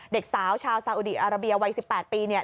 เด็กสาวชาวซาอุดีอาราเบียวัย๑๘ปีเนี่ย